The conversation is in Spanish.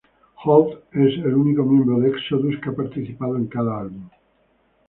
Holt es el único miembro de Exodus que ha participado en cada álbum.